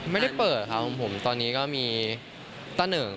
ไม่ได้เปิดครับผมตอนนี้ก็มีตะเหนิง